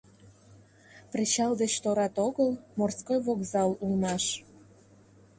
Причал деч торат огыл — морской вокзал улмаш.